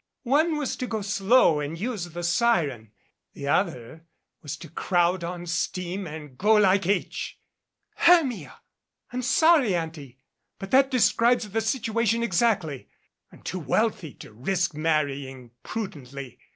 "One was to go slow and use the siren. The other was to crowd on steam and go like h ." "Hermia!" "I'm sorry, Auntie, but that describes the situation exactly. I'm too wealthy to risk marrying prudently.